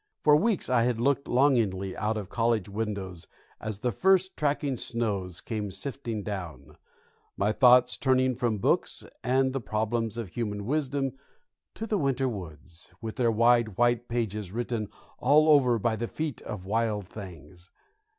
For weeks I had looked longingly out of college windows as the first tracking snows came sifting down, my thoughts turning from books and the problems of human wisdom to the winter woods, with their wide white pages written all over by the feet of wild things.